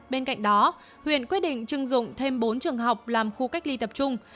bên cạnh đó huyện quyết định chưng dụng thêm bốn trường học làm khu cách ly tập trung